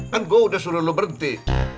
kan gue udah suruh lo berhenti